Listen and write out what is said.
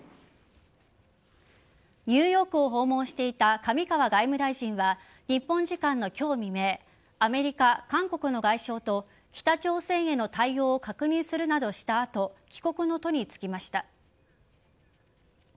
ニューヨークを訪問していた上川外務大臣は日本時間の今日未明アメリカ韓国の外相と北朝鮮への対応を確認するなどした後帰国の途に就きました。